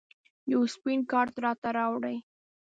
یو سپین کارت راته راوړئ